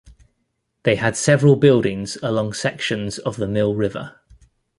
They had several buildings along sections of the Mill River.